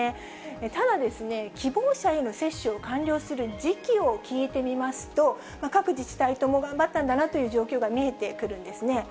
ただ、希望者への接種を完了する時期を聞いてみますと、各自治体とも頑張ったんだなという状況が見えてくるんですね。